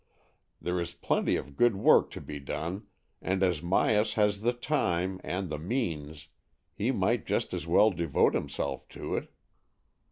There is plenty of good work to be done, and as Myas has the time and the means he might just as well devote himself to it.